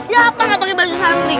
ya apa nggak pakai baju santri